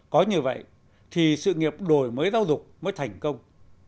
có như vậy thì sự nghiệp đổi mới giáo dục mới thành công